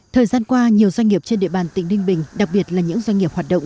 thời gian qua nhiều doanh nghiệp trên địa bàn tỉnh ninh bình đặc biệt là những doanh nghiệp hoạt động